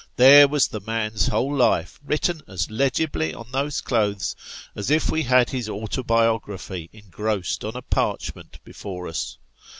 There was the man's whole life written as legibly on those clothes, as if we had his autobiography engrossed on parchment before us.